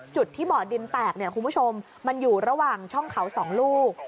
จุดที่บ่อดินแตกเนี่ยคุณผู้ชมมันอยู่ระหว่างช่องเขา๒ลูก